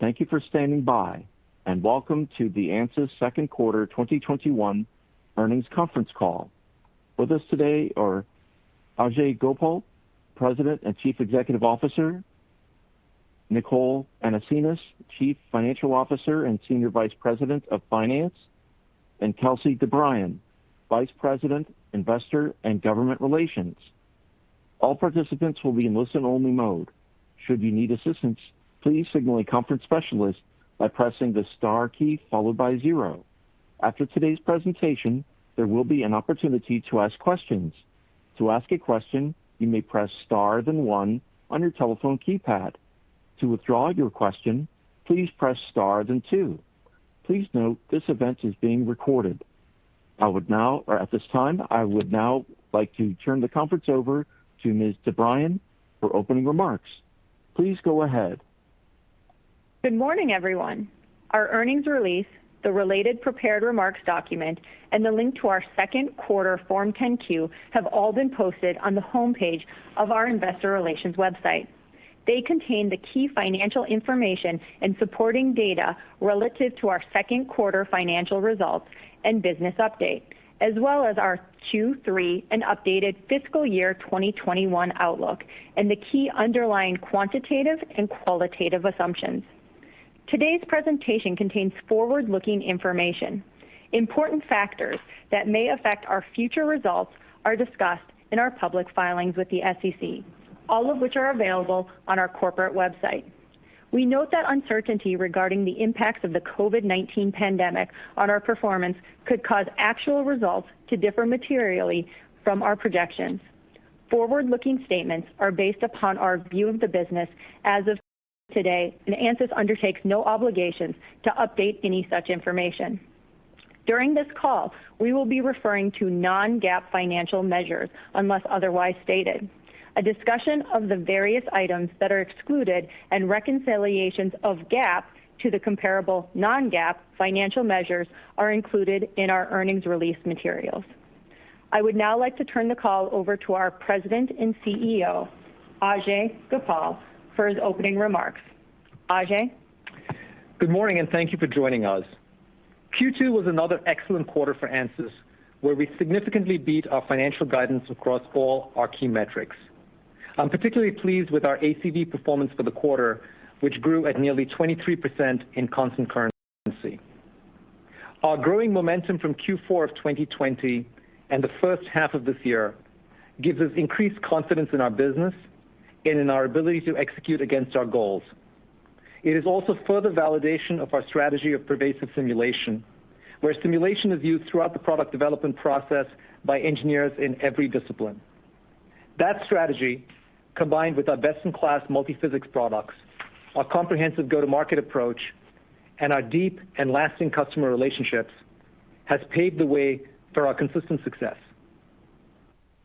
Thank you for standing by, and welcome to the Ansys' 2nd quarter 2021 earnings conference call. With us today are Ajei Gopal, President and Chief Executive Officer, Nicole Anasenes, Chief Financial Officer and Senior Vice President of Finance, and Kelsey DeBriyn, Vice President, Investor and Government Relations. All participants will be in listen-only mode. Should you need assistance, please signal a conference specialist by pressing the star key followed by zero. After today's presentation, there will be an opportunity to ask questions. To ask a question, you may press star, then one on your telephone keypad. To withdraw your question, please press star, then two. Please note, this event is being recorded. At this time, I would now like to turn the conference over to Ms. DeBriyn for opening remarks. Please go ahead. Good morning, everyone. Our earnings release, the related prepared remarks document, and the link to our 2nd quarter Form 10-Q have all been posted on the homepage of our investor relations website. They contain the key financial information and supporting data relative to our 2nd quarter financial results and business update, as well as our Q3 and updated fiscal year 2021 outlook, and the key underlying quantitative and qualitative assumptions. Today's presentation contains forward-looking information. Important factors that may affect our future results are discussed in our public filings with the SEC, all of which are available on our corporate website. We note that uncertainty regarding the impacts of the COVID-19 pandemic on our performance could cause actual results to differ materially from our projections. Forward-looking statements are based upon our view of the business as of today, and Ansys undertakes no obligation to update any such information. During this call, we will be referring to non-GAAP financial measures, unless otherwise stated. A discussion of the various items that are excluded, and reconciliations of GAAP to the comparable non-GAAP financial measures are included in our earnings release materials. I would now like to turn the call over to our President and CEO, Ajei Gopal, for his opening remarks. Ajei? Good morning, thank you for joining us. Q2 was another excellent quarter for Ansys, where we significantly beat our financial guidance across all our key metrics. I'm particularly pleased with our ACV performance for the quarter, which grew at nearly 23% in constant currency. Our growing momentum from Q4 of 2020 and the 1st half of this year gives us increased confidence in our business and in our ability to execute against our goals. It is also further validation of our strategy of pervasive simulation, where simulation is used throughout the product development process by engineers in every discipline. That strategy, combined with our best-in-class multiphysics products, our comprehensive go-to-market approach, and our deep and lasting customer relationships, has paved the way for our consistent success.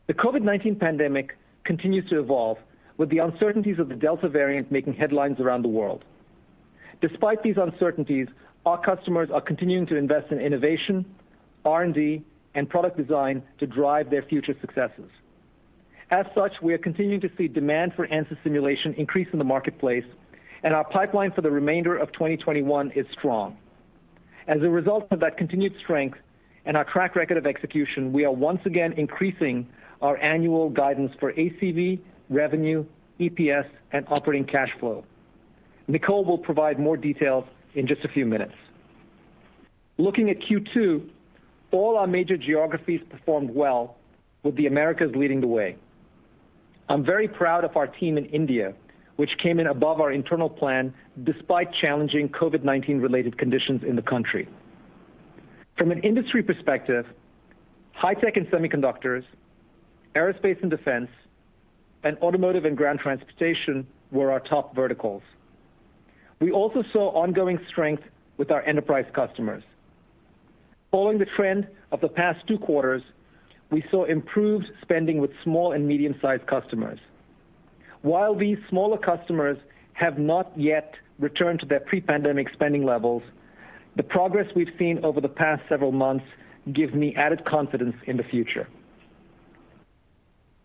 The COVID-19 pandemic continues to evolve, with the uncertainties of the Delta variant making headlines around the world. Despite these uncertainties, our customers are continuing to invest in innovation, R&D, and product design to drive their future successes. As such, we are continuing to see demand for Ansys simulation increase in the marketplace, and our pipeline for the remainder of 2021 is strong. As a result of that continued strength and our track record of execution, we are once again increasing our annual guidance for ACV, revenue, EPS, and operating cash flow. Nicole will provide more details in just a few minutes. Looking at Q2, all our major geographies performed well, with the Americas leading the way. I'm very proud of our team in India, which came in above our internal plan despite challenging COVID-19 related conditions in the country. From an industry perspective, high-tech and semiconductors, aerospace and defense, and automotive and ground transportation were our top verticals. We also saw ongoing strength with our enterprise customers. Following the trend of the past two quarters, we saw improved spending with small and medium-sized customers. While these smaller customers have not yet returned to their pre-pandemic spending levels, the progress we've seen over the past several months gives me added confidence in the future.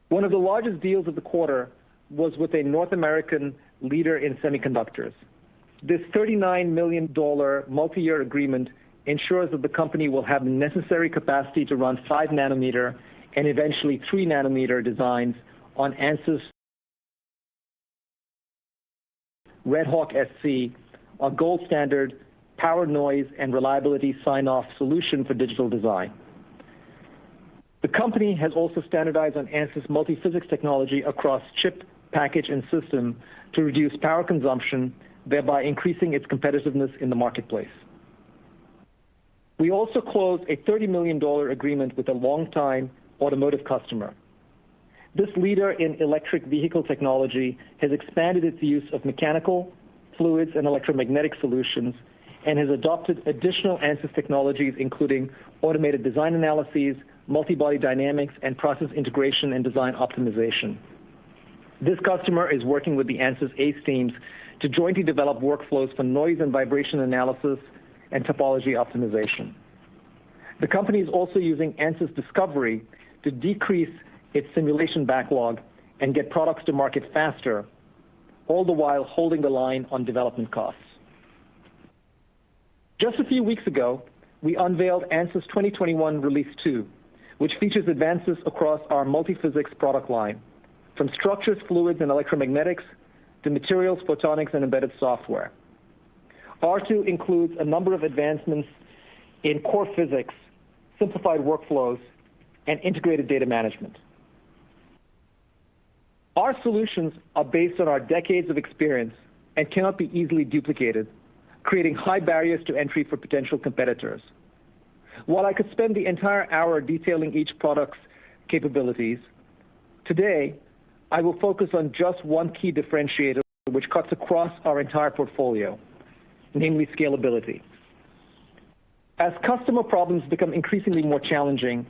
One of the largest deals of the quarter was with a North American leader in semiconductors. This $39 million multi-year agreement ensures that the company will have the necessary capacity to run 5nm, and eventually 3nm designs on ANSYS RedHawk-SC, our gold standard power noise and reliability sign-off solution for digital design. The company has also standardized on Ansys multiphysics technology across chip, package, and system to reduce power consumption, thereby increasing its competitiveness in the marketplace. We also closed a $30 million agreement with a longtime automotive customer. This leader in electric vehicle technology has expanded its use of mechanical, fluids, and electromagnetic solutions, and has adopted additional Ansys technologies, including automated design analyses, multi-body dynamics, and process integration and design optimization. This customer is working with the Ansys ACE teams to jointly develop workflows for noise and vibration analysis and topology optimization. The company is also using Ansys Discovery to decrease its simulation backlog and get products to market faster, all the while holding the line on development costs. Just a few weeks ago, we unveiled Ansys 2021 R2, which features advances across our multiphysics product line, from structures, fluids, and electromagnetics, to materials, photonics, and embedded software. R2 includes a number of advancements in core physics, simplified workflows, and integrated data management. Our solutions are based on our decades of experience and cannot be easily duplicated, creating high barriers to entry for potential competitors. While I could spend the entire hour detailing each product's capabilities, today, I will focus on just one key differentiator which cuts across our entire portfolio, namely scalability. As customer problems become increasingly more challenging,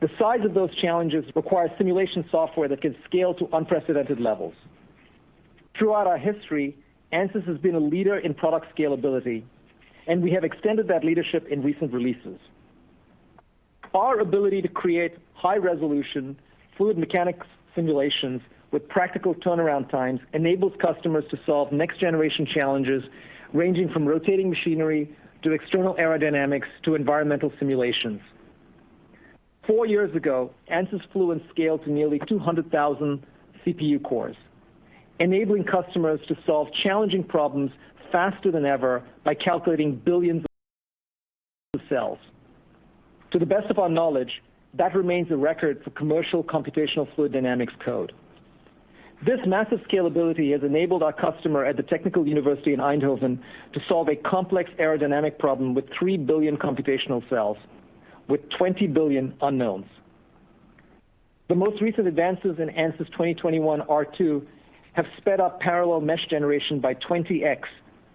the size of those challenges requires simulation software that can scale to unprecedented levels. Throughout our history, Ansys has been a leader in product scalability, and we have extended that leadership in recent releases. Our ability to create high-resolution fluid mechanics simulations with practical turnaround times enables customers to solve next-generation challenges, ranging from rotating machinery to external aerodynamics to environmental simulations. Four years ago, Ansys Fluent scaled to nearly 200,000 CPU cores, enabling customers to solve challenging problems faster than ever by calculating billions of cells. To the best of our knowledge, that remains a record for commercial computational fluid dynamics code. This massive scalability has enabled our customer at Eindhoven University of Technology to solve a complex aerodynamic problem with 3 billion computational cells with 20 billion unknowns. The most recent advances in Ansys 2021 R2 have sped up parallel mesh generation by 20x,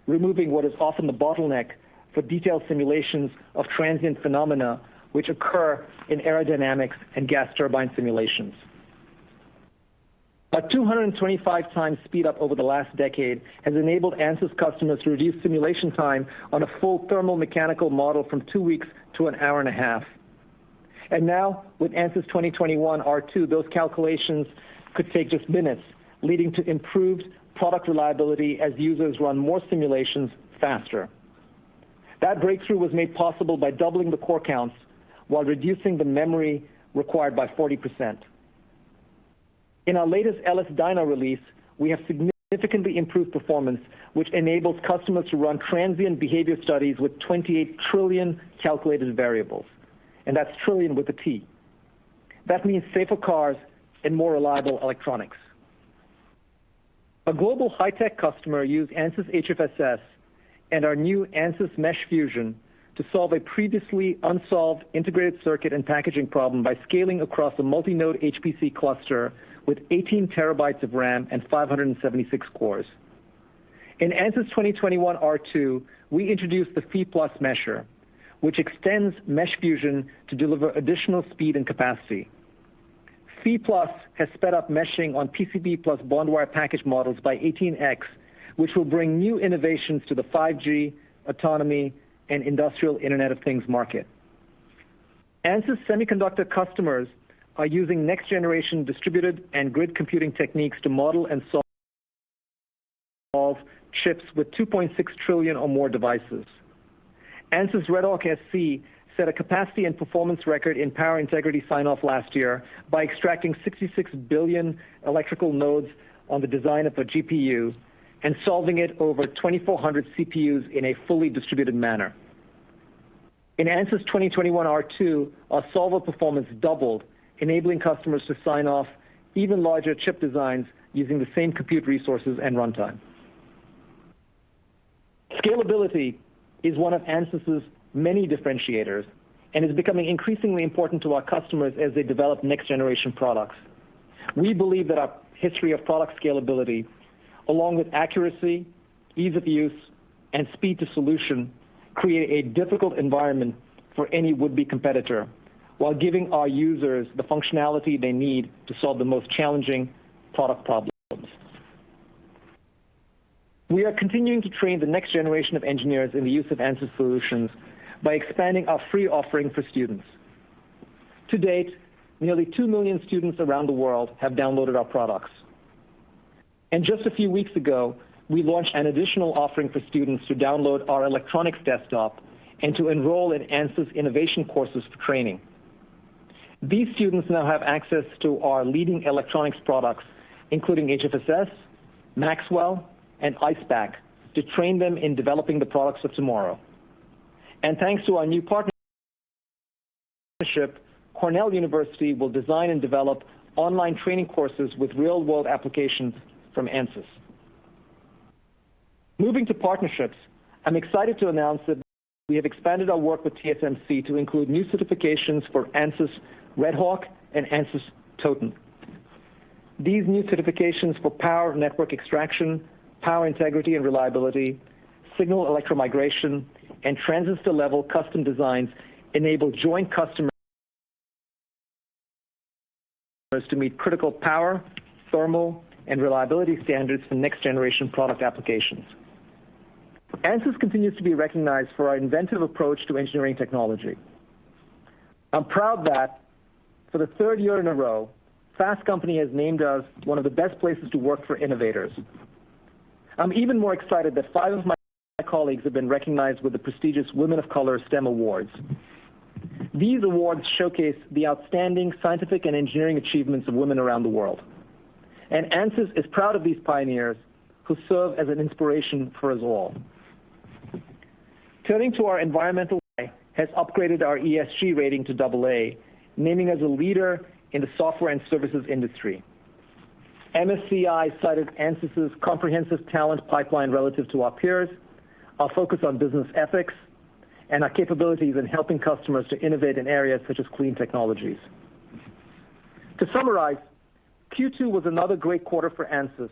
removing what is often the bottleneck for detailed simulations of transient phenomena which occur in aerodynamics and gas turbine simulations. A 225 times speed-up over the last decade has enabled Ansys customers to reduce simulation time on a full thermal mechanical model from two weeks to an hour and a half. Now, with Ansys 2021 R2, those calculations could take just minutes, leading to improved product reliability as users run more simulations faster. That breakthrough was made possible by doubling the core counts while reducing the memory required by 40%. In our latest LS-DYNA release, we have significantly improved performance, which enables customers to run transient behavior studies with 28 trillion calculated variables, and that's trillion with a T. That means safer cars and more reliable electronics. A global high-tech customer used Ansys HFSS and our new Ansys Mesh Fusion to solve a previously unsolved integrated circuit and packaging problem by scaling across a multi-node HPC cluster with 18 TB of RAM and 576 cores. In Ansys 2021 R2, we introduced the C+ mesher, which extends Mesh Fusion to deliver additional speed and capacity. C+ has sped up meshing on PCB plus bond wire package models by 18x, which will bring new innovations to the 5G autonomy and industrial Internet of Things market. Ansys semiconductor customers are using next-generation distributed and grid computing techniques to model and solve chips with 2.6 trillion or more devices. Ansys RedHawk-SC set a capacity and performance record in power integrity sign-off last year by extracting 66 billion electrical nodes on the design of a GPU and solving it over 2,400 CPUs in a fully distributed manner. In Ansys 2021 R2, our solver performance doubled, enabling customers to sign off even larger chip designs using the same compute resources and runtime. Scalability is one of Ansys's many differentiators and is becoming increasingly important to our customers as they develop next-generation products. We believe that our history of product scalability, along with accuracy, ease of use, and speed to solution, create a difficult environment for any would-be competitor while giving our users the functionality they need to solve the most challenging product problems. We are continuing to train the next generation of engineers in the use of Ansys solutions by expanding our free offering for students. To date, nearly 2 million students around the world have downloaded our products. Just a few weeks ago, we launched an additional offering for students to download our Ansys Electronics Desktop and to enroll in Ansys Innovation Courses for training. These students now have access to our leading electronics products, including Ansys HFSS, Ansys Maxwell, and Ansys Icepak, to train them in developing the products of tomorrow. Thanks to our new partnership, Cornell University will design and develop online training courses with real-world applications from Ansys. Moving to partnerships, I'm excited to announce that we have expanded our work with TSMC to include new certifications for Ansys RedHawk-SC and Ansys Totem. These new certifications for power network extraction, power integrity and reliability, signal electromigration, and transistor-level custom designs enable joint customers to meet critical power, thermal, and reliability standards for next-generation product applications. Ansys continues to be recognized for our inventive approach to engineering technology. I'm proud that for the 3rd year in a row, Fast Company has named us one of the best places to work for innovators. I'm even more excited that five of my colleagues have been recognized with the prestigious Women of Color STEM Awards. These awards showcase the outstanding scientific and engineering achievements of women around the world, and Ansys is proud of these pioneers who serve as an inspiration for us all. Has upgraded our ESG rating to AA, naming as a leader in the software and services industry. MSCI cited ANSYS comprehensive talent pipeline relative to our peers, our focus on business ethics, and our capabilities in helping customers to innovate in areas such as clean technologies. To summarize, Q2 was another great quarter for Ansys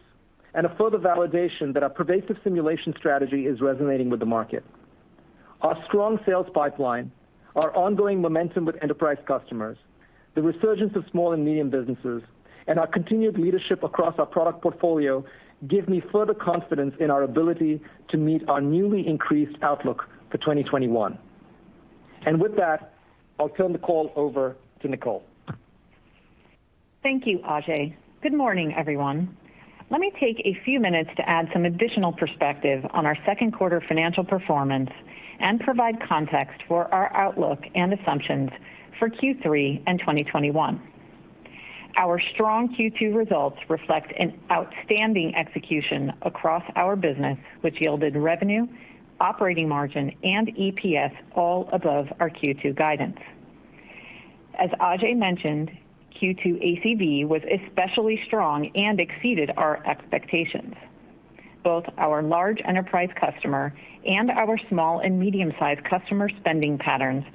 and a further validation that our pervasive simulation strategy is resonating with the market. Our strong sales pipeline, our ongoing momentum with enterprise customers, the resurgence of small and medium businesses, and our continued leadership across our product portfolio give me further confidence in our ability to meet our newly increased outlook for 2021. With that, I'll turn the call over to Nicole. Thank you, Ajei. Good morning, everyone. Let me take a few minutes to add some additional perspective on our 2nd quarter financial performance and provide context for our outlook and assumptions for Q3 and 2021. Our strong Q2 results reflect an outstanding execution across our business, which yielded revenue, operating margin, and EPS all above our Q2 guidance. As Ajei mentioned, Q2 ACV was especially strong and exceeded our expectations. Both our large enterprise customer and our small and medium-sized customer spending patterns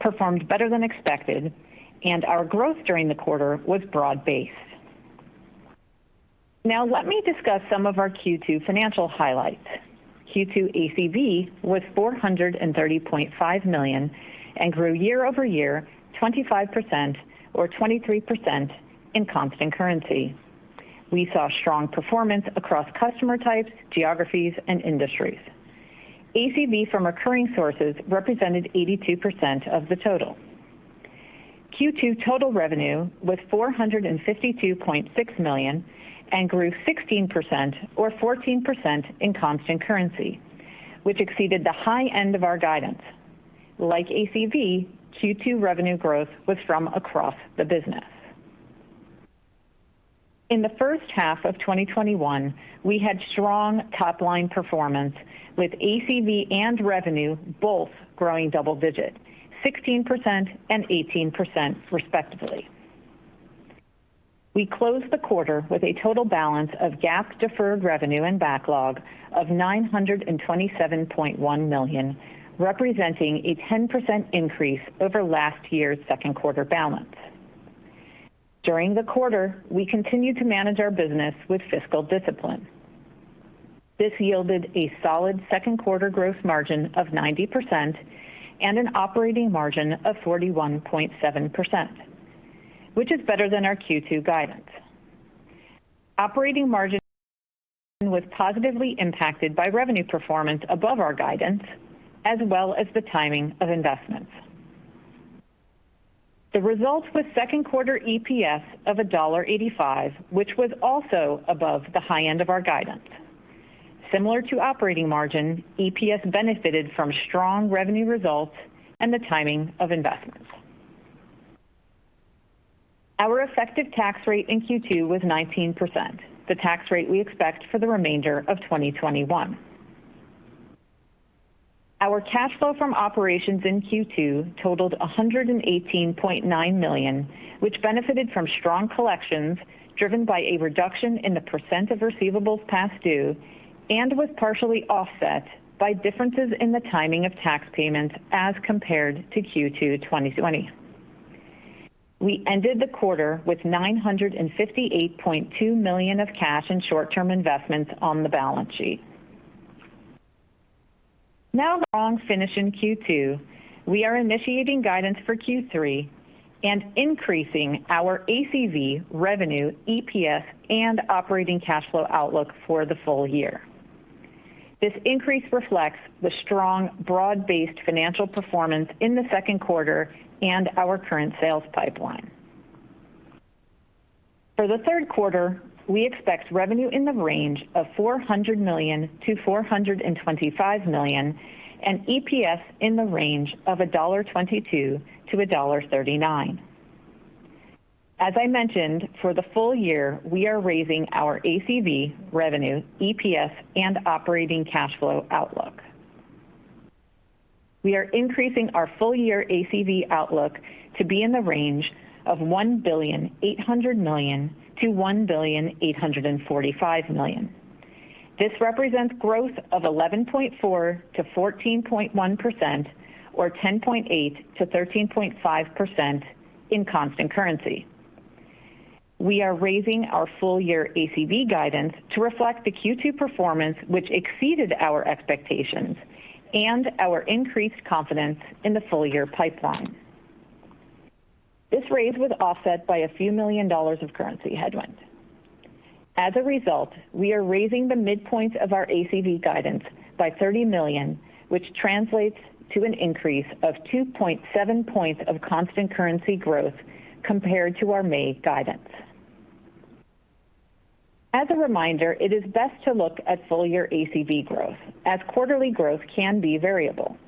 performed better than expected. Our growth during the quarter was broad-based. Now let me discuss some of our Q2 financial highlights. Q2 ACV was $430.5 million and grew year-over-year 25% or 23% in constant currency. We saw strong performance across customer types, geographies, and industries. ACV from recurring sources represented 82% of the total. Q2 total revenue was $452.6 million and grew 16% or 14% in constant currency, which exceeded the high end of our guidance. Like ACV, Q2 revenue growth was from across the business. In the 1st half of 2021, we had strong top-line performance with ACV and revenue both growing double digit, 16% and 18% respectively. We closed the quarter with a total balance of GAAP deferred revenue and backlog of $927.1 million, representing a 10% increase over last year's 2nd quarter balance. During the quarter, we continued to manage our business with fiscal discipline. This yielded a solid 2nd quarter growth margin of 90% and an operating margin of 41.7%, which is better than our Q2 guidance. Operating margin was positively impacted by revenue performance above our guidance, as well as the timing of investments. The result was 2nd quarter EPS of $1.85, which was also above the high end of our guidance. Similar to operating margin, EPS benefited from strong revenue results and the timing of investments. Our effective tax rate in Q2 was 19%, the tax rate we expect for the remainder of 2021. Our cash flow from operations in Q2 totaled $118.9 million, which benefited from strong collections driven by a reduction in the percent of receivables past due and was partially offset by differences in the timing of tax payments as compared to Q2 2020. We ended the quarter with $958.2 million of cash and short-term investments on the balance sheet. Now, long finish in Q2, we are initiating guidance for Q3 and increasing our ACV revenue, EPS, and operating cash flow outlook for the full year. This increase reflects the strong, broad-based financial performance in the 2nd quarter and our current sales pipeline. For the 3rd quarter, we expect revenue in the range of $400 million-$425 million and EPS in the range of $1.22-$1.39. As I mentioned, for the full year, we are raising our ACV revenue, EPS, and operating cash flow outlook. We are increasing our full-year ACV outlook to be in the range of $1.8 billion-$1.845 billion. This represents growth of 11.4%-14.1%, or 10.8%-13.5% in constant currency. We are raising our full-year ACV guidance to reflect the Q2 performance, which exceeded our expectations and our increased confidence in the full-year pipeline. This raise was offset by a few million dollars of currency headwind. As a result, we are raising the midpoint of our ACV guidance by $30 million, which translates to an increase of 2.7 points of constant currency growth compared to our May guidance. As a reminder, it is best to look at full-year ACV growth, as quarterly growth can be variable.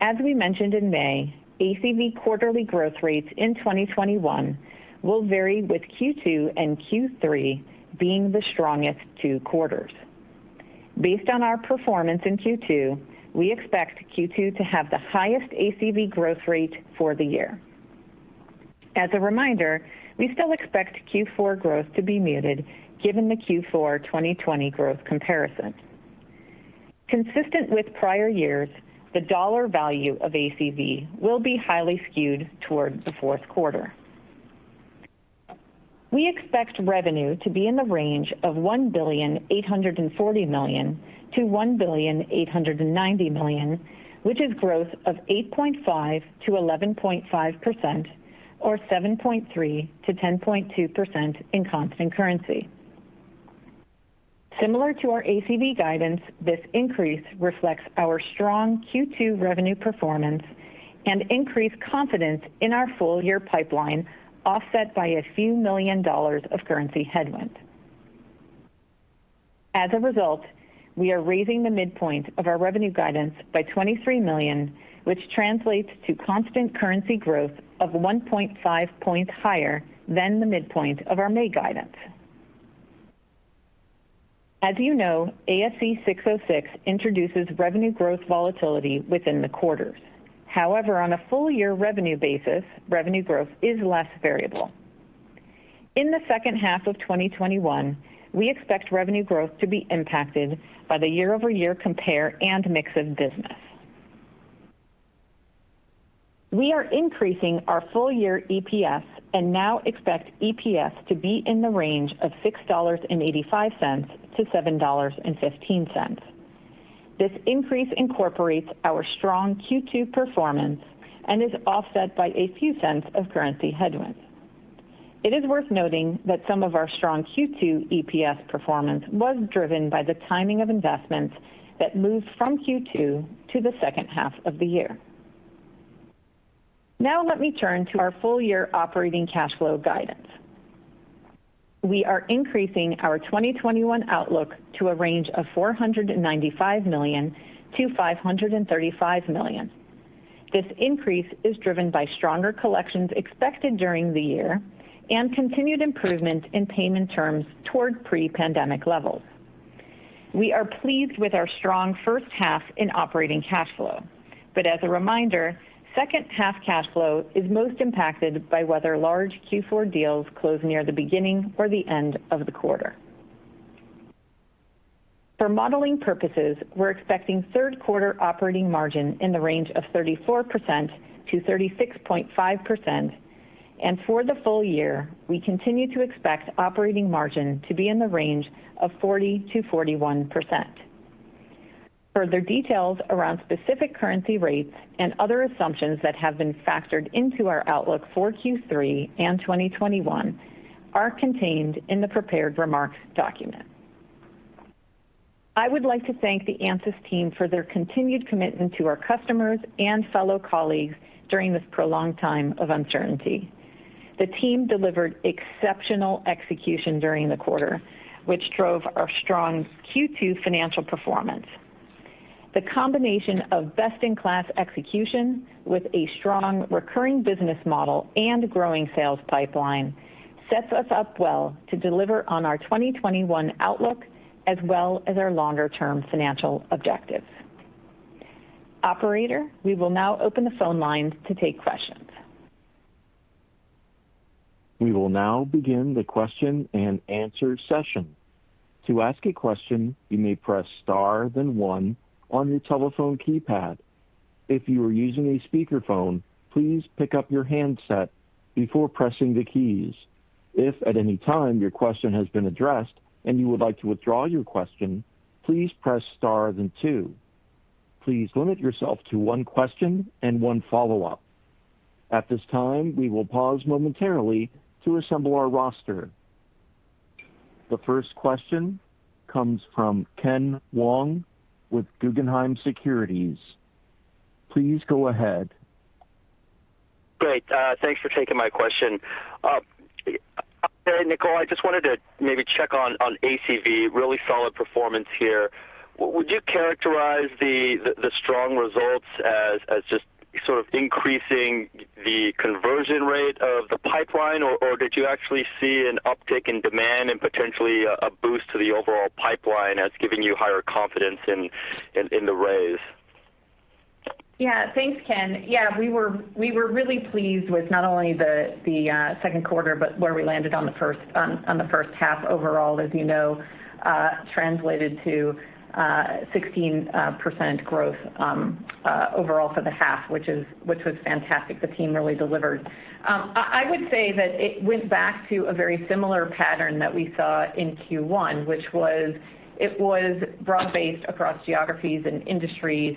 As we mentioned in May, ACV quarterly growth rates in 2021 will vary, with Q2 and Q3 being the strongest two quarters. Based on our performance in Q2, we expect Q2 to have the highest ACV growth rate for the year. As a reminder, we still expect Q4 growth to be muted given the Q4 2020 growth comparison. Consistent with prior years, the dollar value of ACV will be highly skewed towards the fourth quarter. We expect revenue to be in the range of $1.84 billion-$1.89 billion, which is growth of 8.5%-11.5%, or 7.3%-10.2% in constant currency. Similar to our ACV guidance, this increase reflects our strong Q2 revenue performance and increased confidence in our full-year pipeline, offset by a few million dollars of currency headwind. We are raising the midpoint of our revenue guidance by $23 million, which translates to constant currency growth of 1.5 points higher than the midpoint of our May guidance. You know, ASC 606 introduces revenue growth volatility within the quarters. On a full-year revenue basis, revenue growth is less variable. In the 2nd half of 2021, we expect revenue growth to be impacted by the year-over-year compare and mix of business. We are increasing our full-year EPS and now expect EPS to be in the range of $6.85-$7.15. This increase incorporates our strong Q2 performance and is offset by a few cents of currency headwind. It is worth noting that some of our strong Q2 EPS performance was driven by the timing of investments that moved from Q2 to the 2nd half of the year. Let me turn to our full-year operating cash flow guidance. We are increasing our 2021 outlook to a range of $495 million-$535 million. This increase is driven by stronger collections expected during the year and continued improvement in payment terms toward pre-pandemic levels. We are pleased with our strong 1st half in operating cash flow, as a reminder, 2nd half cash flow is most impacted by whether large Q4 deals close near the beginning or the end of the quarter. For modeling purposes, we're expecting 3rd quarter operating margin in the range of 34%-36.5%, and for the full year, we continue to expect operating margin to be in the range of 40%-41%. Further details around specific currency rates and other assumptions that have been factored into our outlook for Q3 and 2021 are contained in the prepared remarks document. I would like to thank the Ansys team for their continued commitment to our customers and fellow colleagues during this prolonged time of uncertainty. The team delivered exceptional execution during the quarter, which drove our strong Q2 financial performance. The combination of best-in-class execution with a strong recurring business model and growing sales pipeline sets us up well to deliver on our 2021 outlook as well as our longer-term financial objectives. Operator, we will now open the phone lines to take questions. We will now begin the question and answer session. To ask a question, you may press star, then one on your telephone keypad. If you are using a speakerphone, please pick up your handset before pressing the keys. If at any time your question has been addressed and you would like to withdraw your question, please press star then two. Please limit yourself to one question and one follow-up. At this time, we will pause momentarily to assemble our roster. The first question comes from Ken Wong with Guggenheim Securities. Please go ahead. Great. Thanks for taking my question. Nicole, I just wanted to maybe check on ACV, really solid performance here. Would you characterize the strong results as just sort of increasing the conversion rate of the pipeline, or did you actually see an uptick in demand and potentially a boost to the overall pipeline that's giving you higher confidence in the raise? Yeah. Thanks, Ken. Yeah, we were really pleased with not only the 2nd quarter, but where we landed on the 1st half overall, as you know translated to 16% growth overall for the half, which was fantastic. The team really delivered. I would say that it went back to a very similar pattern that we saw in Q1, which was broad-based across geographies and industries.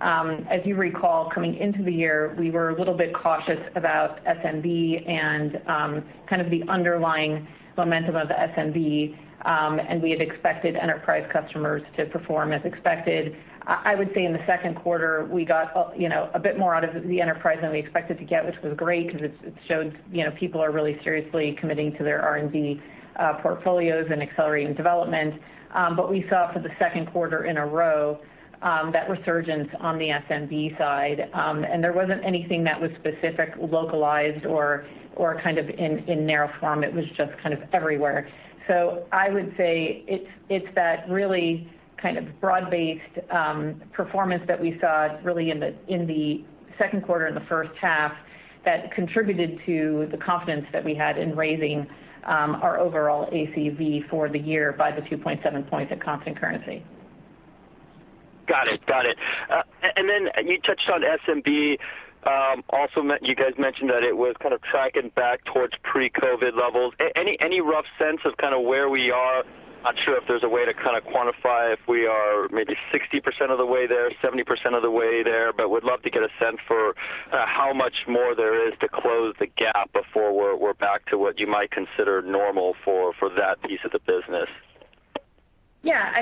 As you recall, coming into the year, we were a little bit cautious about SMB and the underlying momentum of SMB, and we had expected enterprise customers to perform as expected. I would say in the 2nd quarter, we got a bit more out of the enterprise than we expected to get, which was great because it showed people are really seriously committing to their R&D portfolios and accelerating development. We saw for the 2nd quarter in a row that resurgence on the SMB side. There wasn't anything that was specific, localized or in narrow form. It was just everywhere. I would say it's that really broad-based performance that we saw really in the 2nd quarter and the 1st half that contributed to the confidence that we had in raising our overall ACV for the year by the 2.7 points at constant currency. Got it. You touched on SMB. You guys mentioned that it was tracking back towards pre-COVID levels. Any rough sense of where we are? Not sure if there's a way to quantify if we are maybe 60% of the way there, 70% of the way there, would love to get a sense for how much more there is to close the gap before we're back to what you might consider normal for that piece of the business. Yeah.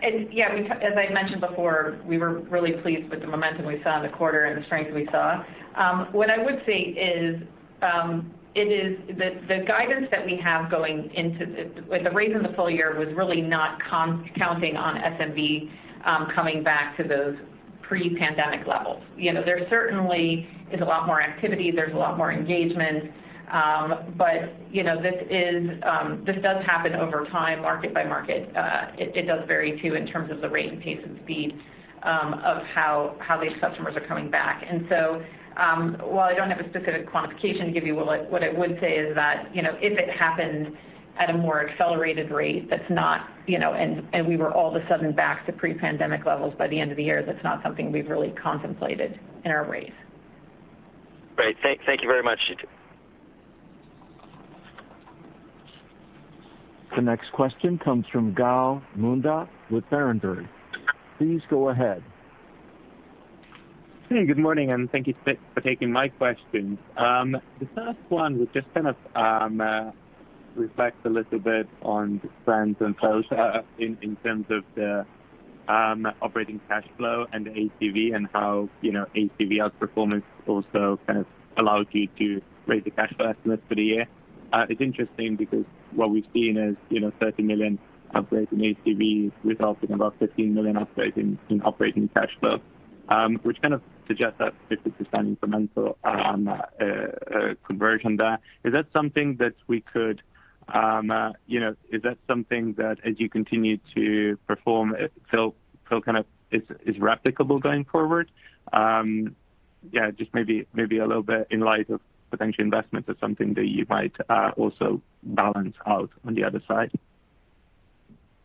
As I mentioned before, we were really pleased with the momentum we saw in the quarter and the strength we saw. What I would say is the guidance that we have going into the raise in the full year was really not counting on SMB coming back to those pre-pandemic levels. There certainly is a lot more activity, there's a lot more engagement. This does happen over time, market by market. It does vary too, in terms of the rate and pace and speed of how these customers are coming back. While I don't have a specific quantification to give you, what I would say is that if it happened at a more accelerated rate, and we were all of a sudden back to pre-pandemic levels by the end of the year, that's not something we've really contemplated in our raise. Great. Thank you very much. The next question comes from Gal Munda with Berenberg. Please go ahead. Good morning, thank you for taking my questions. The first one would just reflect a little bit on the trends and flows in terms of the operating cash flow and the ACV and how ACV outperformance also allowed you to raise the cash flow estimate for the year. It's interesting because what we've seen is $30 million upgrades in ACV resulting in about $15 million upgrades in operating cash flow, which kind of suggests that this is an incremental conversion there. Is that something that, as you continue to perform, is replicable going forward? Just maybe a little bit in light of potential investments or something that you might also balance out on the other side.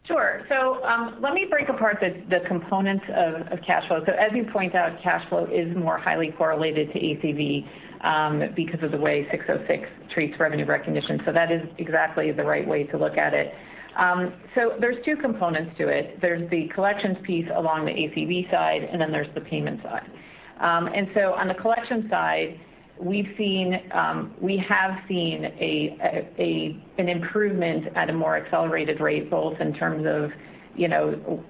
Let me break apart the components of cash flow. As you point out, cash flow is more highly correlated to ACV because of the way 606 treats revenue recognition. That is exactly the right way to look at it. There's two components to it. There's the collections piece along the ACV side, and then there's the payment side. On the collection side, we have seen an improvement at a more accelerated rate, both in terms of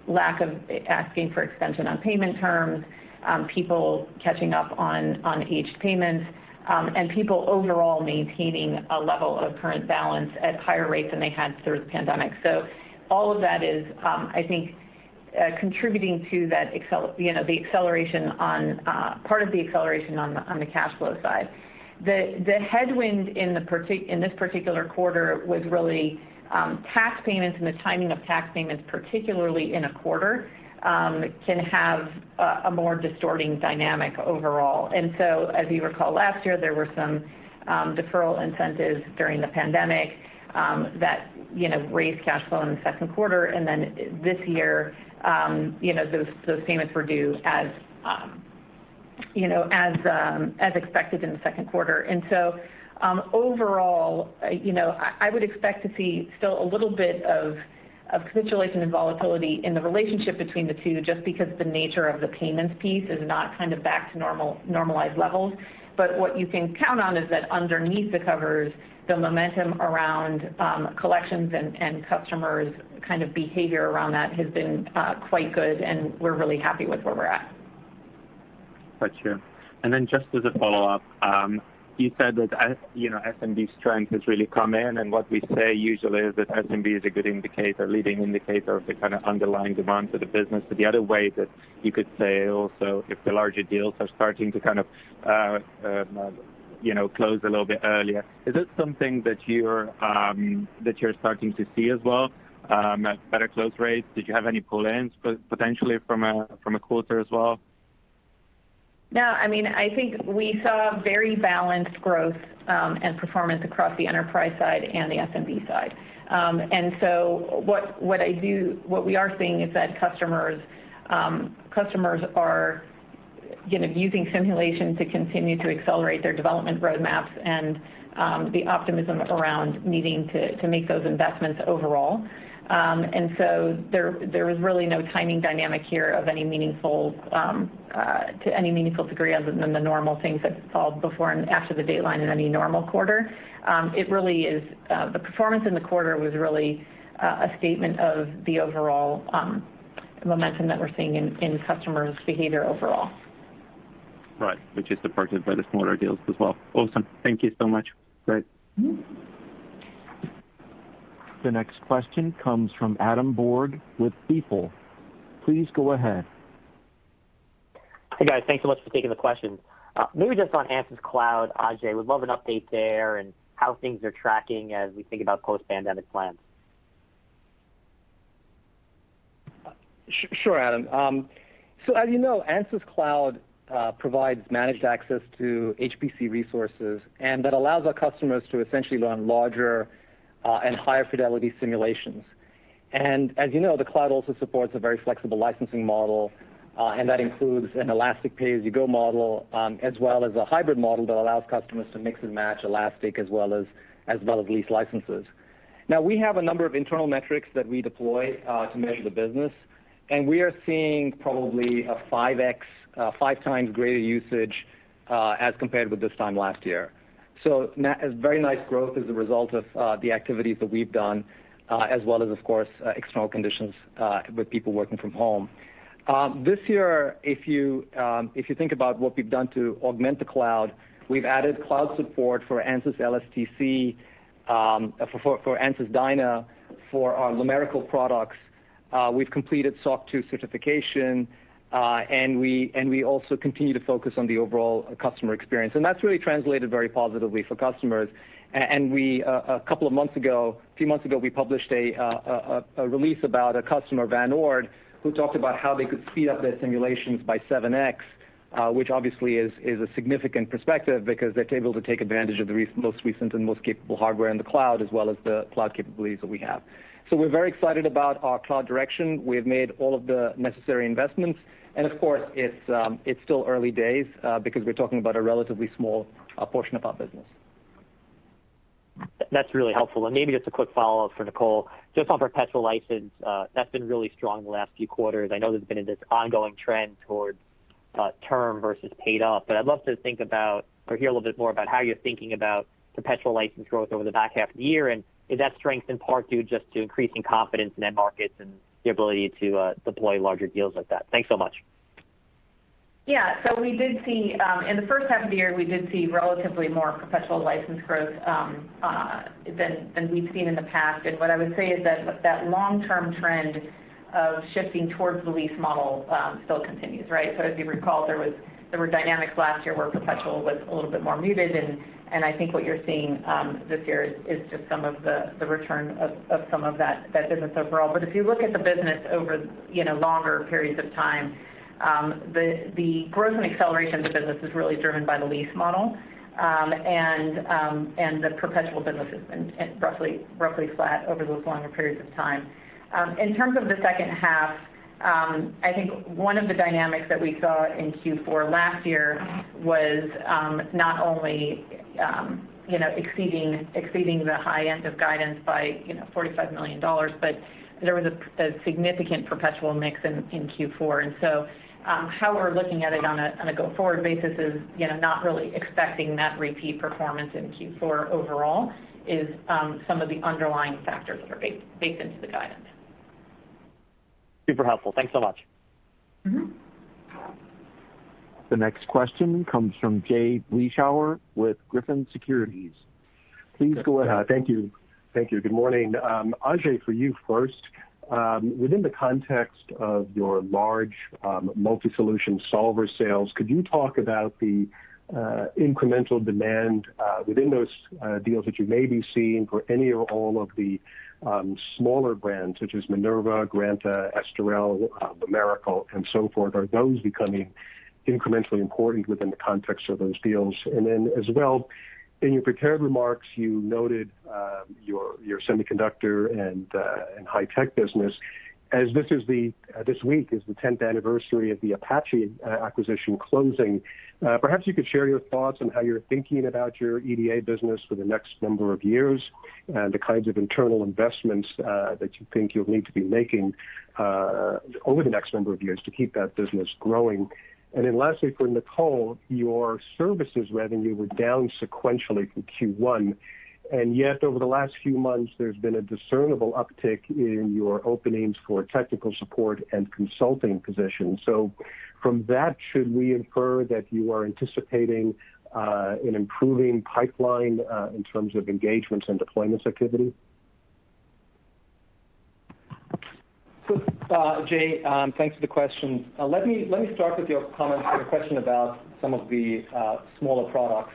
lack of asking for extension on payment terms, people catching up on aged payments, and people overall maintaining a level of current balance at higher rates than they had through the pandemic. All of that is, I think, contributing to part of the acceleration on the cash flow side. The headwind in this particular quarter was really tax payments and the timing of tax payments, particularly in a quarter, can have a more distorting dynamic overall. As you recall, last year, there were some deferral incentives during the pandemic that raised cash flow in the 2nd quarter. This year, those payments were due as expected in the 2nd quarter. Overall, I would expect to see still a little bit of capitulation and volatility in the relationship between the two, just because the nature of the payments piece is not back to normalized levels. What you can count on is that underneath the covers, the momentum around collections and customers' behavior around that has been quite good, and we're really happy with where we're at. Got you. Just as a follow-up, you said that SMB strength has really come in. What we say usually is that SMB is a good indicator, leading indicator of the kind of underlying demand for the business. The other way that you could say also if the larger deals are starting to close a little bit earlier, is that something that you're starting to see as well at better close rates? Did you have any pull-ins potentially from a quarter as well? I think we saw very balanced growth, and performance across the enterprise side and the SMB side. What we are seeing is that customers are using simulation to continue to accelerate their development roadmaps and the optimism around needing to make those investments overall. There is really no timing dynamic here to any meaningful degree other than the normal things that fall before and after the dateline in any normal quarter. The performance in the quarter was really a statement of the overall momentum that we're seeing in customers' behavior overall. Right. Which is supported by the smaller deals as well. Awesome. Thank you so much. Great. The next question comes from Adam Borg with Stifel. Please go ahead. Hi, guys. Thanks so much for taking the questions. Maybe just on Ansys Cloud, Ajei, would love an update there and how things are tracking as we think about post-pandemic plans. Sure, Adam. As you know, Ansys Cloud provides managed access to HPC resources, and that allows our customers to essentially run larger and higher fidelity simulations. As you know, the cloud also supports a very flexible licensing model, and that includes an elastic pay-as-you-go model, as well as a hybrid model that allows customers to mix and match elastic as well as lease licenses. Now, we have a number of internal metrics that we deploy to measure the business, and we are seeing probably a 5x, five times greater usage, as compared with this time last year. Very nice growth as a result of the activities that we've done, as well as, of course, external conditions, with people working from home. This year, if you think about what we've done to augment the cloud, we've added cloud support for Ansys LSTC, for Ansys LS-DYNA, for our Lumerical products. We've completed SOC 2 certification, and we also continue to focus on the overall customer experience. That's really translated very positively for customers. A few months ago, we published a release about a customer, Van Oord, who talked about how they could speed up their simulations by 7x, which obviously is a significant perspective because they're able to take advantage of the most recent and most capable hardware in the cloud, as well as the cloud capabilities that we have. We're very excited about our cloud direction. We've made all of the necessary investments, and of course, it's still early days, because we're talking about a relatively small portion of our business. That's really helpful. Maybe just a quick follow-up for Nicole. Just on perpetual license, that's been really strong the last few quarters. I know there's been this ongoing trend towards term versus paid up. I'd love to hear a little bit more about how you're thinking about perpetual license growth over the back half of the year. Is that strength in part due just to increasing confidence in end markets and the ability to deploy larger deals like that? Thanks so much. Yeah. In the 1st half of the year, we did see relatively more perpetual license growth than we've seen in the past. What I would say is that long-term trend of shifting towards the lease model still continues, right? As you recall, there were dynamics last year where perpetual was a little bit more muted, and I think what you're seeing this year is just some of the return of some of that business overall. If you look at the business over longer periods of time, the growth and acceleration of the business is really driven by the lease model. The perpetual business has been roughly flat over those longer periods of time. In terms of the 2nd half, I think one of the dynamics that we saw in Q4 last year was, not only exceeding the high end of guidance by $45 million, but there was a significant perpetual mix in Q4. How we're looking at it on a go-forward basis is not really expecting that repeat performance in Q4 overall is some of the underlying factors that are baked into the guidance. Super helpful. Thanks so much. The next question comes from Jay Vleeschhouwer with Griffin Securities. Please go ahead. Thank you. Good morning. Ajei, for you first. Within the context of your large multi-solution solver sales, could you talk about the incremental demand within those deals that you may be seeing for any or all of the smaller brands such as Minerva, Granta, SCADE, Lumerical, and so forth? Are those becoming incrementally important within the context of those deals? As well, in your prepared remarks, you noted your semiconductor and high tech business. As this week is the 10th anniversary of the Apache acquisition closing, perhaps you could share your thoughts on how you're thinking about your EDA business for the next number of years and the kinds of internal investments that you think you’ll need to be making over the next number of years to keep that business growing. Lastly, for Nicole, your services revenue were down sequentially from Q1, over the last few months, there's been a discernible uptick in your openings for technical support and consulting positions. From that, should we infer that you are anticipating an improving pipeline, in terms of engagements and deployments activity? Jay, thanks for the question. Let me start with your comments or your question about some of the smaller products.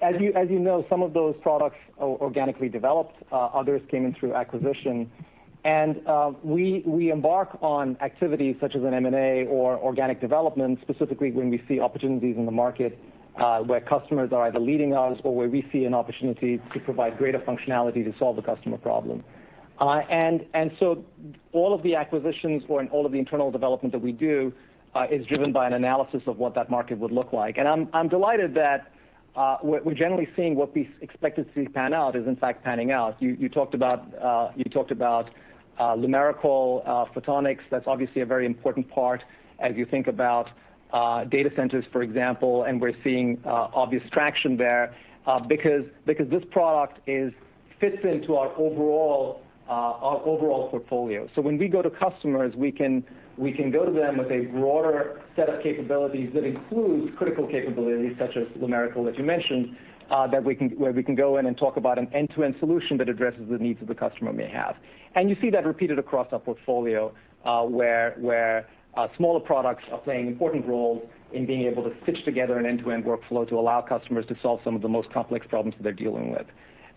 As you know, some of those products organically developed, others came in through acquisition. We embark on activities such as an M&A or organic development specifically when we see opportunities in the market, where customers are either leading us or where we see an opportunity to provide greater functionality to solve the customer problem. All of the acquisitions or all of the internal development that we do is driven by an analysis of what that market would look like. I'm delighted that we're generally seeing what we expected to pan out is in fact panning out. You talked about Ansys Lumerical. That's obviously a very important part as you think about data centers, for example, and we're seeing obvious traction there. Because this product fits into our overall portfolio. When we go to customers, we can go to them with a broader set of capabilities that includes critical capabilities such as Lumerical, that you mentioned, where we can go in and talk about an end-to-end solution that addresses the needs that the customer may have. You see that repeated across our portfolio, where smaller products are playing important roles in being able to stitch together an end-to-end workflow to allow customers to solve some of the most complex problems that they're dealing with.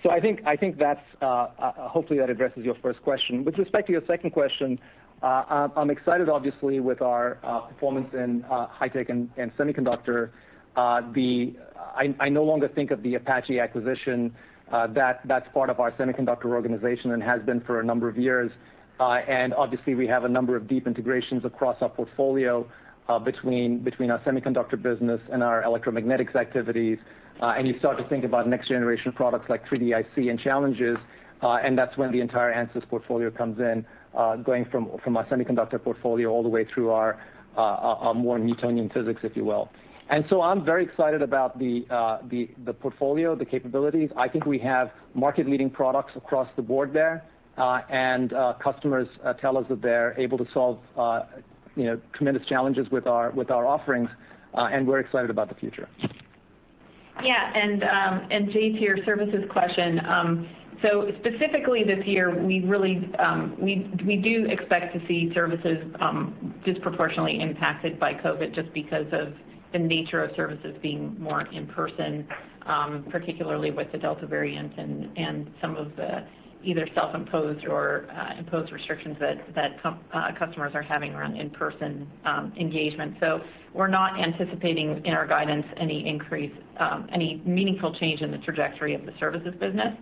I think hopefully that addresses your 1st question. With respect to your 2nd question, I'm excited obviously with our performance in high tech and semiconductor. I no longer think of the Apache acquisition. That's part of our semiconductor organization and has been for a number of years. Obviously we have a number of deep integrations across our portfolio, between our semiconductor business and our electromagnetics activities. You start to think about next generation products like 3D-IC and challenges, and that's when the entire Ansys portfolio comes in, going from our semiconductor portfolio all the way through our more Newtonian physics, if you will. I'm very excited about the portfolio, the capabilities. I think we have market-leading products across the board there. Customers tell us that they're able to solve tremendous challenges with our offerings, and we're excited about the future. Yeah. Jay, to your services question, specifically this year, we do expect to see services disproportionately impacted by COVID just because of the nature of services being more in-person, particularly with the Delta variant and some of the either self-imposed or imposed restrictions that customers are having around in-person engagement. We're not anticipating in our guidance any meaningful change in the trajectory of the services business.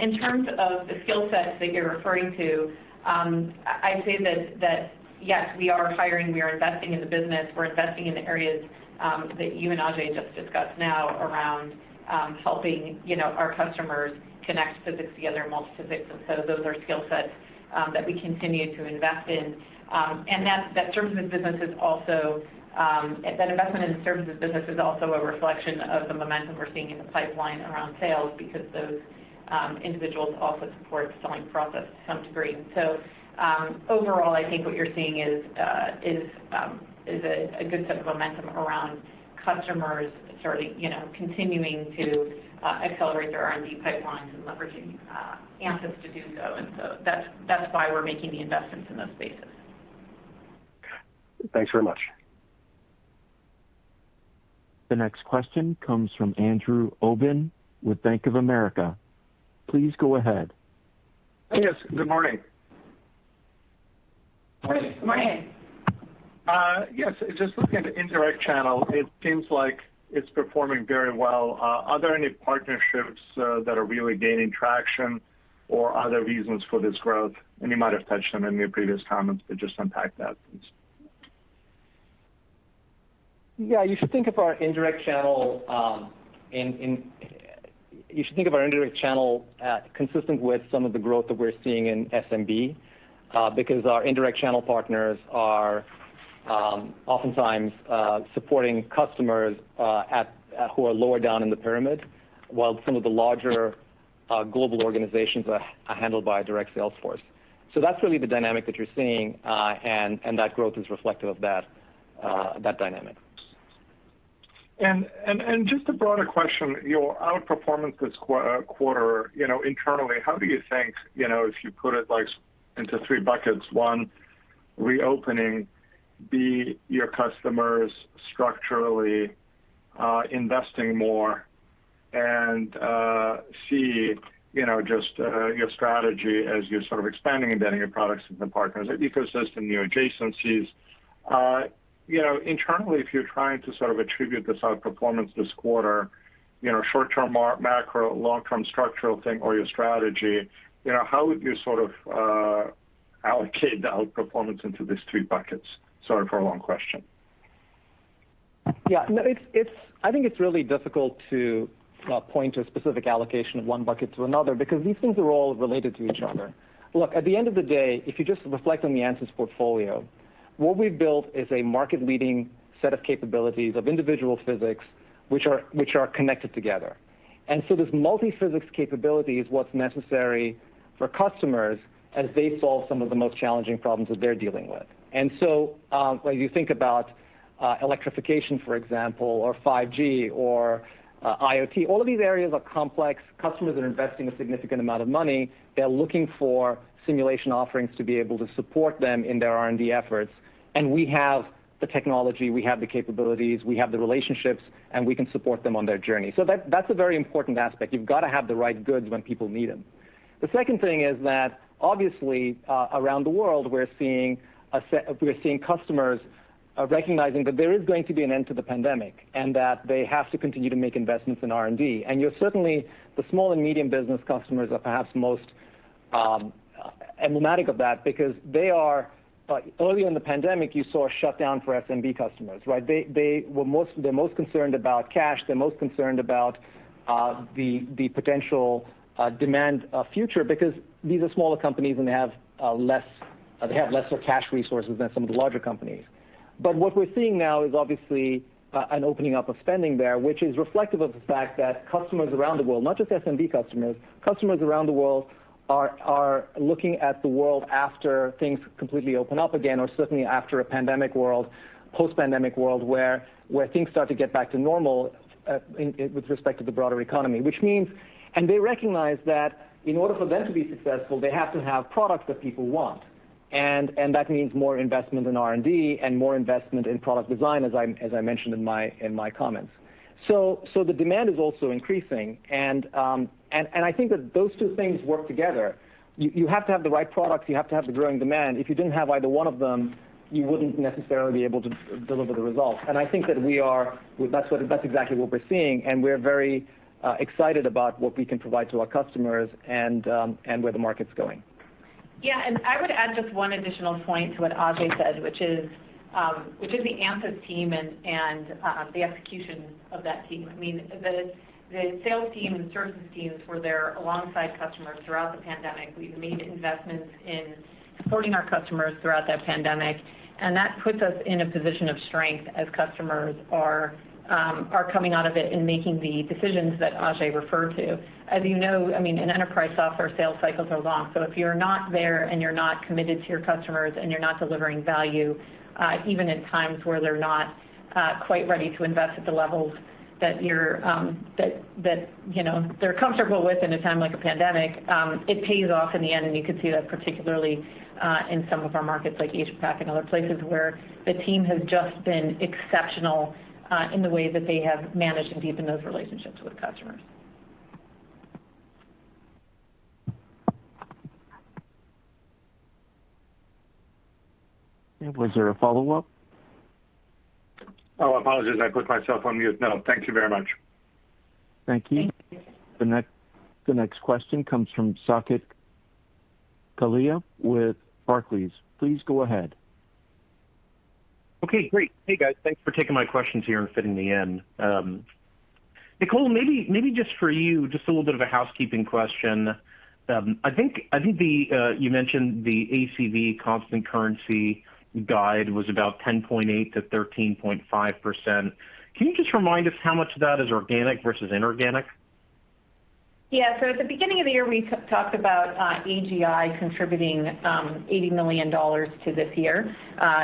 In terms of the skill sets that you're referring to, I'd say that yes, we are hiring, we are investing in the business, we're investing in the areas that you and Ajei just discussed now around helping our customers connect physics together, multiphysics. Those are skill sets that we continue to invest in. That investment in the services business is also a reflection of the momentum we're seeing in the pipeline around sales because those individuals also support the selling process to some degree. Overall, I think what you're seeing is a good set of momentum around customers continuing to accelerate their R&D pipelines and leveraging Ansys to do so, and so that's why we're making the investments in those spaces. Thanks very much. The next question comes from Andrew Obin with Bank of America. Please go ahead. Yes, good morning. Good morning. Yes, just looking at indirect channel, it seems like it's performing very well. Are there any partnerships that are really gaining traction or other reasons for this growth? You might have touched on it in your previous comments, but just unpack that please. You should think of our indirect channel consistent with some of the growth that we're seeing in SMB, because our indirect channel partners are oftentimes supporting customers who are lower down in the pyramid, while some of the larger global organizations are handled by a direct sales force. That's really the dynamic that you're seeing, and that growth is reflective of that dynamic. Just a broader question. Your outperformance this quarter, internally, how do you think, if you put it into three buckets, one, reopening, B, your customers structurally investing more, and C, just your strategy as you're sort of expanding and embedding your products into partners, ecosystem, your adjacencies. Internally, if you're trying to sort of attribute this outperformance this quarter, short-term macro, long-term structural thing or your strategy, how would you sort of allocate the outperformance into these three buckets? Sorry for a long question. Yeah, no, I think it's really difficult to point to a specific allocation of one bucket to another because these things are all related to each other. Look, at the end of the day, if you just reflect on the Ansys portfolio, what we've built is a market-leading set of capabilities of individual physics which are connected together. This multiphysics capability is what's necessary for customers as they solve some of the most challenging problems that they're dealing with. When you think about electrification, for example, or 5G or IoT, all of these areas are complex. Customers are investing a significant amount of money. They're looking for simulation offerings to be able to support them in their R&D efforts, and we have the technology, we have the capabilities, we have the relationships, and we can support them on their journey. That's a very important aspect. You've got to have the right goods when people need them. The second thing is that obviously, around the world, we're seeing customers recognizing that there is going to be an end to the pandemic, and that they have to continue to make investments in R&D. Certainly, the small and medium business customers are perhaps most emblematic of that because early in the pandemic, you saw a shutdown for SMB customers, right? They're most concerned about cash. They're most concerned about the potential demand future because these are smaller companies and they have lesser cash resources than some of the larger companies. What we're seeing now is obviously an opening up of spending there, which is reflective of the fact that customers around the world, not just SMB customers around the world are looking at the world after things completely open up again, or certainly after a post-pandemic world where things start to get back to normal with respect to the broader economy. They recognize that in order for them to be successful, they have to have products that people want. That means more investment in R&D and more investment in product design, as I mentioned in my comments. The demand is also increasing, and I think that those two things work together. You have to have the right products. You have to have the growing demand. If you didn't have either one of them, you wouldn't necessarily be able to deliver the results. I think that's exactly what we're seeing, and we're very excited about what we can provide to our customers and where the market's going. Yeah. I would add just one additional point to what Ajei said, which is the Ansys team and the execution of that team. The sales team and services teams were there alongside customers throughout the pandemic. We've made investments in supporting our customers throughout that pandemic, and that puts us in a position of strength as customers are coming out of it and making the decisions that Ajei referred to. As you know, in enterprise software, sales cycles are long. If you're not there and you're not committed to your customers and you're not delivering value, even in times where they're not quite ready to invest at the levels that they're comfortable with in a time like a pandemic, it pays off in the end, and you could see that particularly in some of our markets like Asia-Pac and other places where the team has just been exceptional in the way that they have managed to deepen those relationships with customers. Was there a follow-up? Oh, apologies. I put myself on mute. No, thank you very much. Thank you. Thank you. The next question comes from Saket Kalia with Barclays. Please go ahead. Okay, great. Hey, guys. Thanks for taking my questions here and fitting me in. Nicole, maybe just for you, just a little bit of a housekeeping question. I think you mentioned the ACV constant currency guide was about 10.8%-13.5%. Can you just remind us how much of that is organic versus inorganic? Yeah. At the beginning of the year, we talked about AGI contributing $80 million to this year.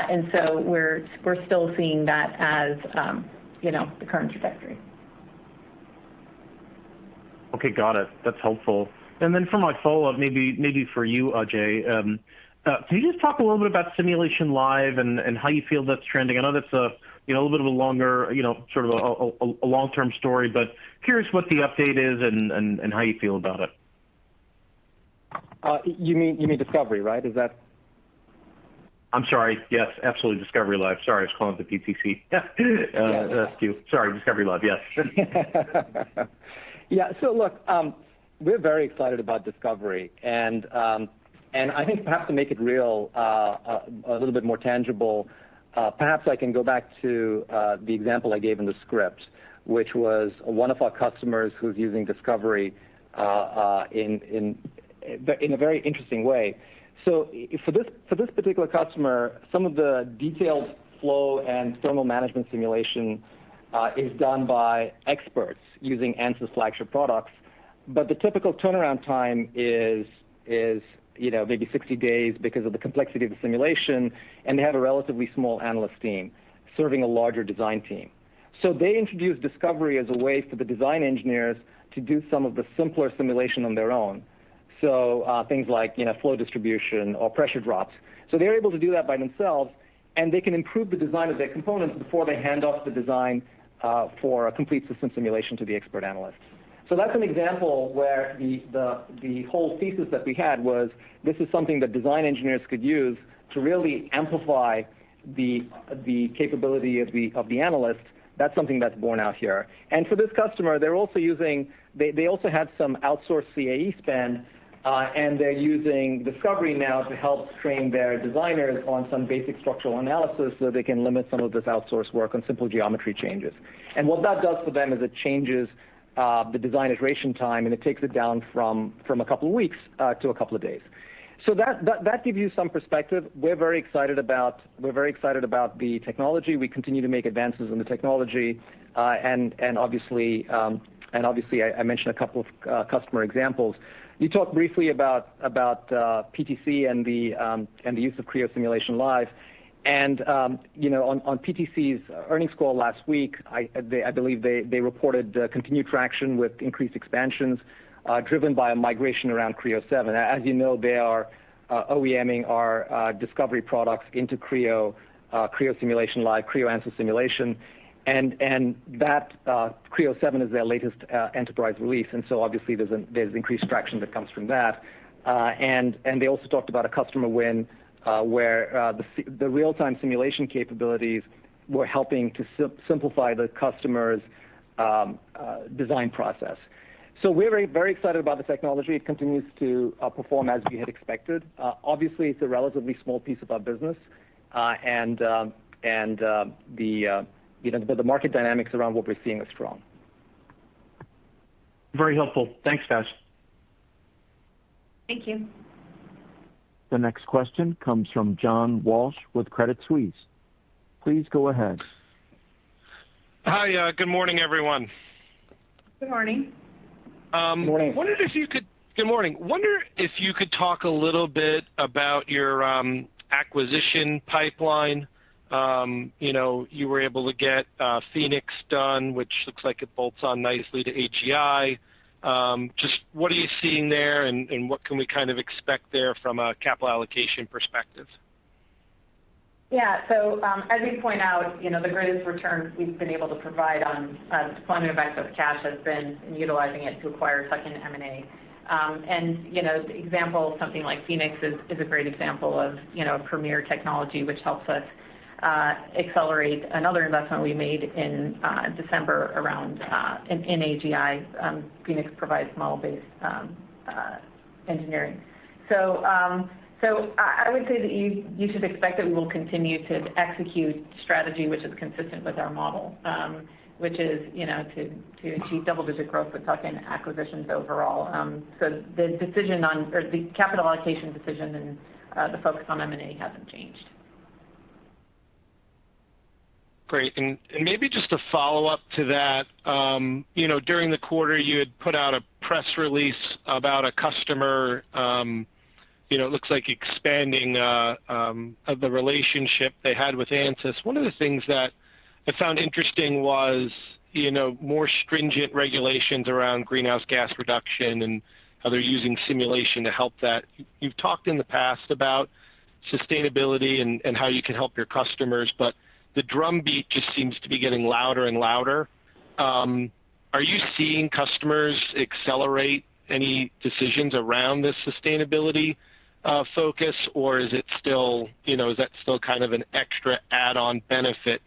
We're still seeing that as the current trajectory. Okay, got it. That's helpful. For my follow-up, maybe for you, Ajei, can you just talk a little bit about Simulation Live and how you feel that's trending? I know that's a little bit of a long-term story, but curious what the update is and how you feel about it. You mean Discovery, right? Is that- I'm sorry. Yes, absolutely. Discovery Live. Sorry, I was calling it the PTC. That's cute. Sorry, Discovery Live, yes. Yeah. Look, we're very excited about Discovery, and I think perhaps to make it real, a little bit more tangible, perhaps I can go back to the example I gave in the script, which was one of our customers who's using Discovery in a very interesting way. For this particular customer, some of the detailed flow and thermal management simulation is done by experts using Ansys flagship products. The typical turnaround time is maybe 60 days because of the complexity of the simulation, and they have a relatively small analyst team serving a larger design team. They introduced Discovery as a way for the design engineers to do some of the simpler simulation on their own. Things like flow distribution or pressure drops. They're able to do that by themselves, and they can improve the design of their components before they hand off the design for a complete system simulation to the expert analysts. That's an example where the whole thesis that we had was this is something that design engineers could use to really amplify the capability of the analyst. That's something that's borne out here. For this customer, they also had some outsourced CAE spend, and they're using Discovery now to help train their designers on some basic structural analysis so they can limit some of this outsourced work on simple geometry changes. What that does for them is it changes the design iteration time, and it takes it down from a couple of weeks to a couple of days. That gives you some perspective. We're very excited about the technology. We continue to make advances in the technology, obviously, I mentioned a couple of customer examples. You talked briefly about PTC and the use of Creo Simulation Live. On PTC's earnings call last week, I believe they reported continued traction with increased expansions driven by a migration around Creo 7. As you know, they are OEM-ing our Discovery products into Creo Simulation Live, Creo Ansys Simulation, and Creo 7 is their latest enterprise release. Obviously there's increased traction that comes from that. They also talked about a customer win where the real-time simulation capabilities were helping to simplify the customer's design process. We're very excited about the technology. It continues to perform as we had expected. Obviously, it's a relatively small piece of our business. The market dynamics around what we're seeing are strong. Very helpful. Thanks, guys. Thank you. The next question comes from John Walsh with Credit Suisse. Please go ahead. Hi. Good morning, everyone. Good morning. Good morning. Good morning. Wonder if you could talk a little bit about your acquisition pipeline? You were able to get Phoenix done, which looks like it bolts on nicely to AGI. Just what are you seeing there and what can we expect there from a capital allocation perspective? Yeah. As you point out, the greatest return we've been able to provide on deployment of excess cash has been in utilizing it to acquire tuck-in M&A. The example of something like Phoenix is a great example of premier technology which helps us accelerate another investment we made in December around in AGI. Phoenix provides model-based engineering. I would say that you should expect that we will continue to execute strategy which is consistent with our model, which is to achieve double-digit growth with tuck-in acquisitions overall. The capital allocation decision and the focus on M&A hasn't changed. Great. Maybe just a follow-up to that. During the quarter, you had put out a press release about a customer, it looks like expanding the relationship they had with Ansys. One of the things that I found interesting was more stringent regulations around greenhouse gas reduction and how they're using simulation to help that. You've talked in the past about sustainability and how you can help your customers, the drumbeat just seems to be getting louder and louder. Are you seeing customers accelerate any decisions around this sustainability focus, or is that still kind of an extra add-on benefit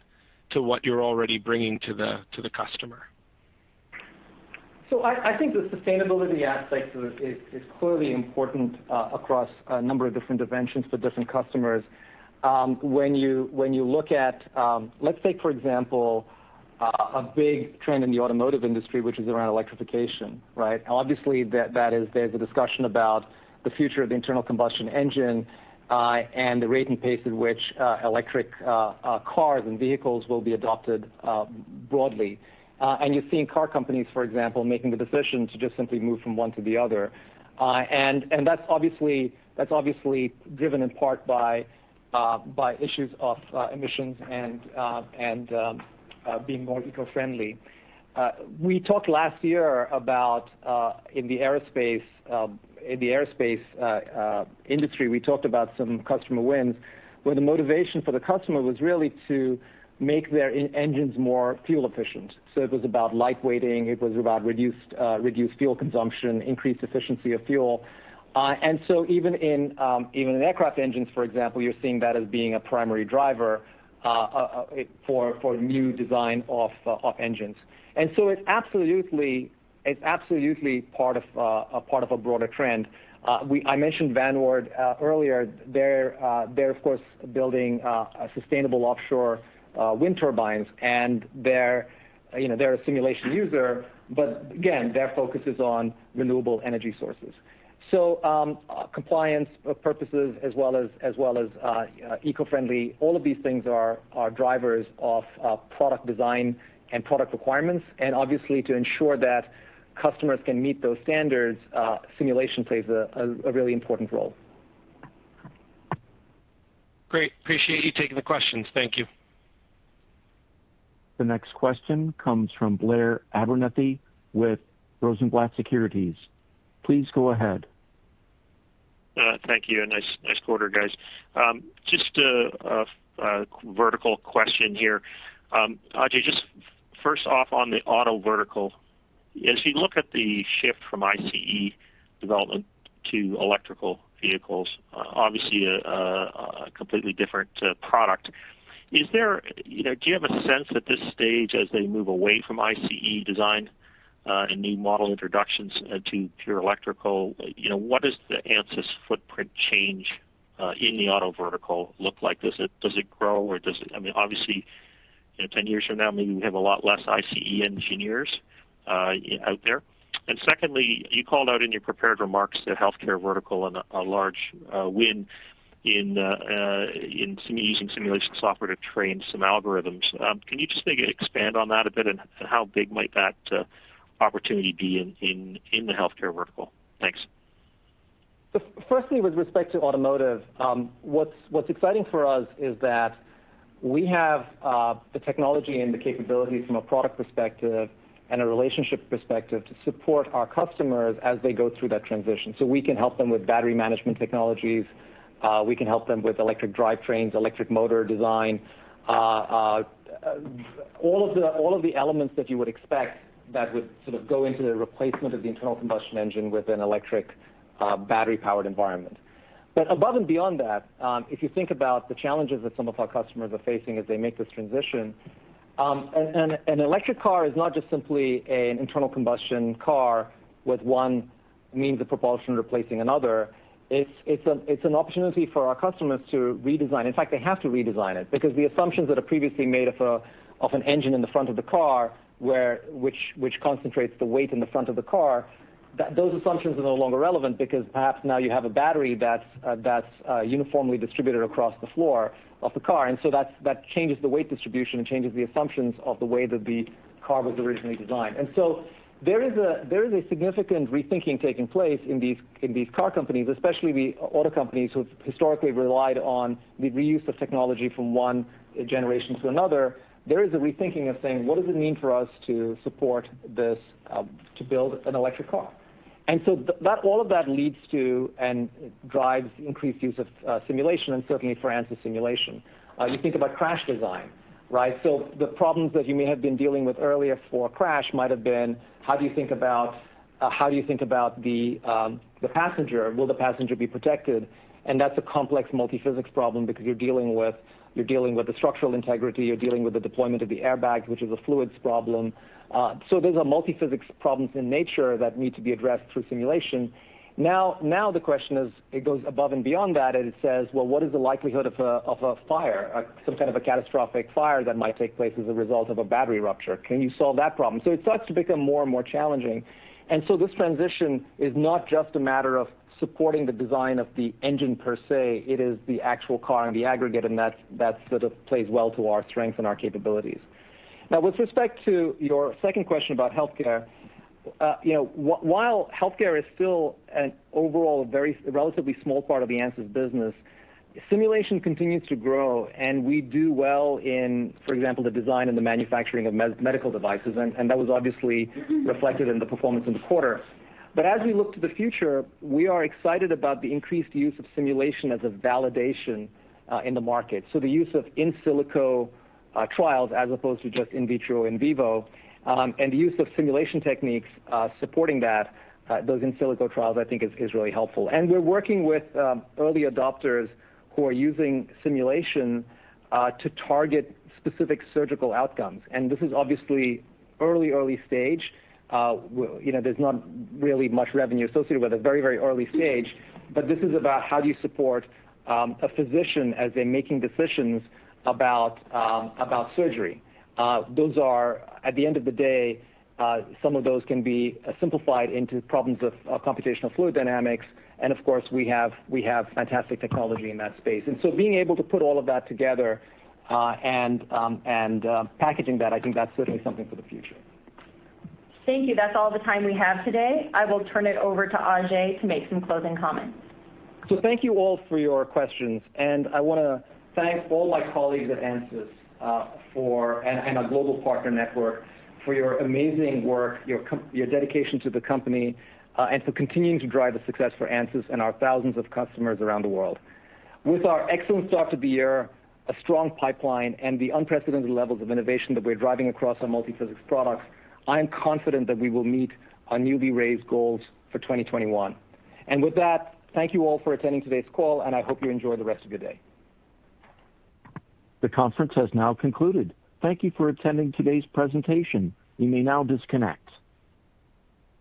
to what you're already bringing to the customer? I think the sustainability aspect is clearly important across a number of different dimensions for different customers. When you look at, let's say, for example, a big trend in the automotive industry, which is around electrification, right? Obviously, there's a discussion about the future of the internal combustion engine, and the rate and pace at which electric cars and vehicles will be adopted broadly. You're seeing car companies, for example, making the decision to just simply move from one to the other. That's obviously driven in part by issues of emissions and being more eco-friendly. We talked last year about, in the aerospace industry, we talked about some customer wins, where the motivation for the customer was really to make their engines more fuel efficient. It was about lightweighting, it was about reduced fuel consumption, increased efficiency of fuel. Even in aircraft engines, for example, you're seeing that as being a primary driver for new design of engines. It's absolutely part of a broader trend. I mentioned Van Oord earlier. They're, of course, building sustainable offshore wind turbines, and they're a simulation user. Again, their focus is on renewable energy sources. Compliance purposes as well as eco-friendly, all of these things are drivers of product design and product requirements. Obviously, to ensure that customers can meet those standards, simulation plays a really important role. Great. Appreciate you taking the questions. Thank you. The next question comes from Blair Abernethy with Rosenblatt Securities. Please go ahead. Thank you. Nice quarter, guys. Just a vertical question here. Ajei, just first off on the automotive vertical, as you look at the shift from ICE development to electrical vehicles, obviously a completely different product. Do you have a sense at this stage as they move away from ICE design and new model introductions to pure electrical, what does the Ansys footprint change in the automotive vertical look like? Does it grow? Obviously, 10 years from now, maybe we have a lot less ICE engineers out there. Secondly, you called out in your prepared remarks the healthcare vertical and a large win in using simulation software to train some algorithms. Can you just maybe expand on that a bit, and how big might that opportunity be in the healthcare vertical? Thanks. 1stly, with respect to automotive, what's exciting for us is that we have the technology and the capabilities from a product perspective and a relationship perspective to support our customers as they go through that transition. We can help them with battery management technologies. We can help them with electric drivetrains, electric motor design, all of the elements that you would expect that would sort of go into the replacement of the internal combustion engine with an electric battery-powered environment. Above and beyond that, if you think about the challenges that some of our customers are facing as they make this transition. An electric car is not just simply an internal combustion car with one means of propulsion replacing another. It's an opportunity for our customers to redesign. In fact, they have to redesign it because the assumptions that are previously made of an engine in the front of the car, which concentrates the weight in the front of the car, those assumptions are no longer relevant because perhaps now you have a battery that's uniformly distributed across the floor of the car. That changes the weight distribution and changes the assumptions of the way that the car was originally designed. There is a significant rethinking taking place in these car companies, especially the auto companies who have historically relied on the reuse of technology from one generation to another. There is a rethinking of saying, "What does it mean for us to build an electric car?" All of that leads to and drives increased use of simulation, and certainly for Ansys simulation. You think about crash design, right? The problems that you may have been dealing with earlier for a crash might have been, how do you think about the passenger? Will the passenger be protected? That's a complex multiphysics problem because you're dealing with the structural integrity, you're dealing with the deployment of the airbag, which is a fluids problem. These are multiphysics problems in nature that need to be addressed through simulation. The question is, it goes above and beyond that, and it says, well, what is the likelihood of a fire, some kind of a catastrophic fire that might take place as a result of a battery rupture? Can you solve that problem? It starts to become more and more challenging. This transition is not just a matter of supporting the design of the engine per say. It is the actual car and the aggregate, that sort of plays well to our strength and our capabilities. Now, with respect to your 2nd question about healthcare, while healthcare is still an overall a very relatively small part of the Ansys business, simulation continues to grow, we do well in, for example, the design and the manufacturing of medical devices, that was obviously reflected in the performance in the quarter. As we look to the future, we are excited about the increased use of simulation as a validation in the market. The use of in silico trials as opposed to just in vitro, in vivo, the use of simulation techniques supporting those in silico trials, I think is really helpful. We're working with early adopters who are using simulation to target specific surgical outcomes. This is obviously early stage. There's not really much revenue associated with it. Very, very early stage. This is about how do you support a physician as they're making decisions about surgery. At the end of the day, some of those can be simplified into problems of computational fluid dynamics, and of course, we have fantastic technology in that space. Being able to put all of that together, and packaging that, I think that's certainly something for the future. Thank you. That's all the time we have today. I will turn it over to Ajei to make some closing comments. Thank you all for your questions, and I want to thank all my colleagues at Ansys, and our global partner network for your amazing work, your dedication to the company, and for continuing to drive the success for Ansys and our thousands of customers around the world. With our excellent start to the year, a strong pipeline, and the unprecedented levels of innovation that we're driving across our multiphysics products, I am confident that we will meet our newly raised goals for 2021. With that, thank you all for attending today's call, and I hope you enjoy the rest of your day. The conference has now concluded. Thank you for attending today's presentation. You may now disconnect.